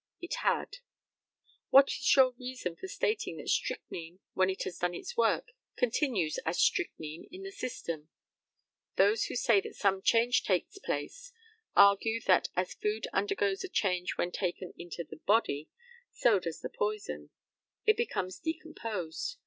It had. What is your reason for stating that strychnine, when it has done its work, continues as strychnine in the system? Those who say that some change takes place argue that as food undergoes a change when taken into the body, so does the poison; it becomes decomposed.